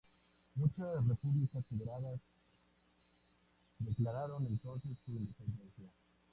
Muchas repúblicas federadas declararon entonces su independencia.